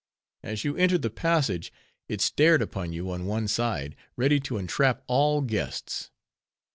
As you entered the passage, it stared upon you on one side, ready to entrap all guests.